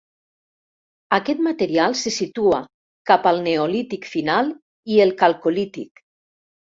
Aquest material se situa cap al Neolític Final i el Calcolític.